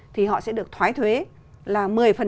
thì họ sẽ được thoái thuế là một mươi